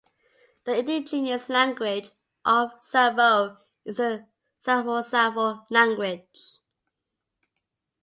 The indigenous language of Savo is the Savosavo language.